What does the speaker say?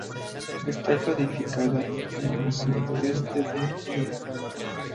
Está ubicada en el suroeste de Lyon.